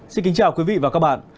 xin kính chào quý vị và các bạn